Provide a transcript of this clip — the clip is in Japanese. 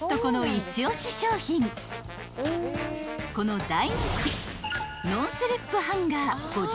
［この大人気］